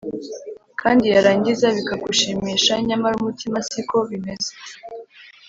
kandi yarangiza bikagushimisha ; nyamara umutima si uko bimeze,